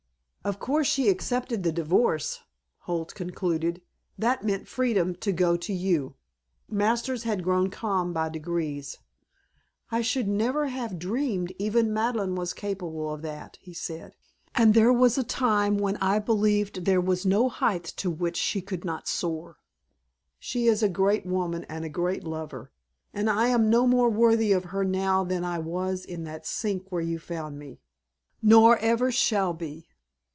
"Of course she accepted the divorce," Holt concluded. "That meant freedom to go to you." Masters had grown calm by degrees. "I should never have dreamed even Madeleine was capable of that," he said. "And there was a time when I believed there was no height to which she could not soar. She is a great woman and a great lover, and I am no more worthy of her now than I was in that sink where you found me. Nor ever shall be.